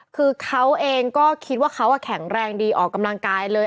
คือเขาเองก็คิดว่าเขาแข็งแรงดีออกกำลังกายเลย